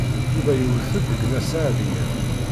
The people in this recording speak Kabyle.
Yuba iwet-d deg Nna Seɛdiya.